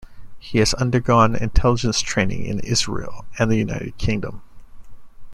He has undergone intelligence training in Israel and the United Kingdom.